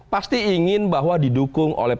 pasti ingin bahwa didukung oleh